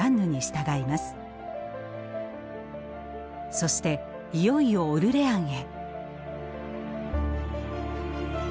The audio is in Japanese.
そしていよいよオルレアンへ。